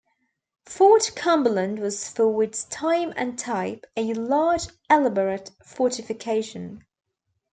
Fort Cumberland was, for its time and type, a large, elaborate fortification.